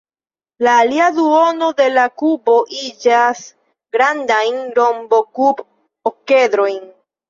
La alia duono de la kuboj iĝas grandajn rombokub-okedrojn.